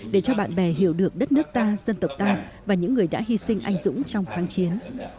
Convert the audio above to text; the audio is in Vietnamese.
để cho bạn bè hiểu được đất nước ta dân tộc ta và những người đã hy sinh anh dũng trong kháng chiến